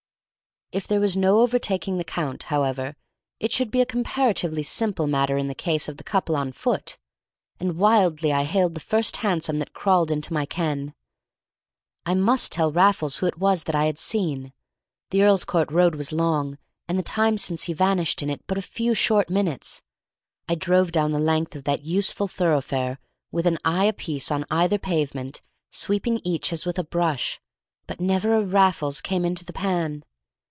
If there was no overtaking the Count, however, it should be a comparatively simple matter in the case of the couple on foot, and I wildly hailed the first hansom that crawled into my ken. I must tell Raffles who it was that I had seen; the Earl's Court Road was long, and the time since he vanished in it but a few short minutes. I drove down the length of that useful thoroughfare, with an eye apiece on either pavement, sweeping each as with a brush, but never a Raffles came into the pan.